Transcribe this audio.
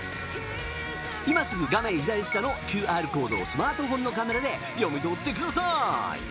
今すぐ画面左下のＱＲコードをスマートフォンのカメラで読み取ってください！